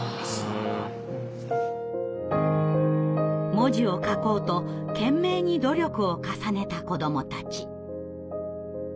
文字を書こうと懸命に努力を重ねた子どもたち。